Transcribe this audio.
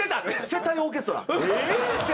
「接待オーケストラ」。